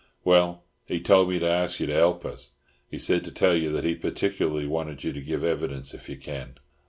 "Well, he told me to ask you to help us. He said to tell you that he particularly wanted you to give evidence if you can."